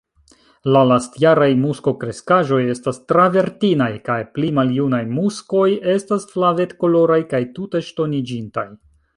La lastjaraj muskokreskaĵoj estas travertinaj, kaj pli maljunaj muskoj estas flavetkoloraj kaj tute ŝtoniĝintaj.